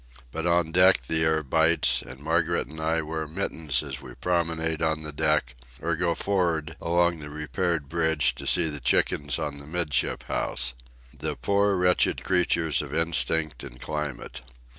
But on the deck the air bites, and Margaret and I wear mittens as we promenade the poop or go for'ard along the repaired bridge to see the chickens on the 'midship house. The poor, wretched creatures of instinct and climate!